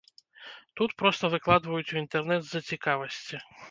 Тут проста выкладаюць у інтэрнэт з-за цікавасці.